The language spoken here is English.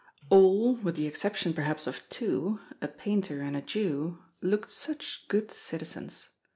All with the exception perhaps of two, a painter and a Jew looked such good citizens.